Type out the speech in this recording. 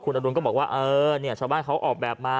อดุลก็บอกว่าเออเนี่ยชาวบ้านเขาออกแบบมา